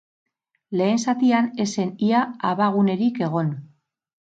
Lehen zatian ez zen ia abagunerik egon.